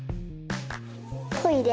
トイレ。